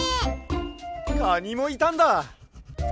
カニもいたんだ！